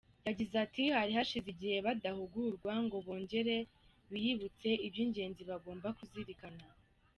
Yagize ati “Hari hashize igihe badahugurwa, ngo bongere biyibutse iby’ingenzi bagomba kuzirikana.